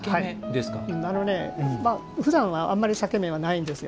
ふだんは、あまり裂け目はないんですよ。